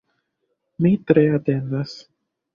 Mi tre atendas.